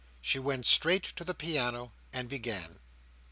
she went straight to the piano, and began.